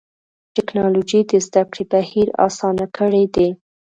ټکنالوجي د زدهکړې بهیر آسانه کړی دی.